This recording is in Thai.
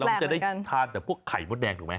มันจะได้ทานแต่พวกไข่มดแดงถูกไหม